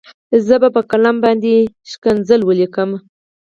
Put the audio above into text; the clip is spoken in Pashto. زه به په قلم باندې سپکې سپورې وليکم.